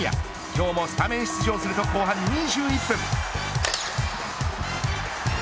今日もスタメン出場すると後半２１分。